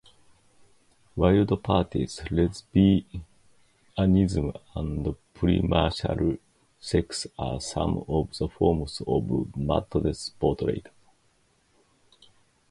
Wild parties, lesbianism, and premarital sex are some of the forms of 'madness' portrayed.